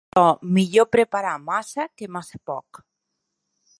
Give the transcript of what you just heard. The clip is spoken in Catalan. Però, millor preparar massa que massa poc.